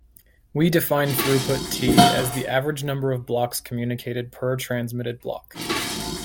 We define throughput T as the average number of blocks communicated per transmitted block.